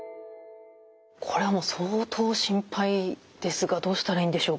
これはもう相当心配ですがどうしたらいいんでしょうか？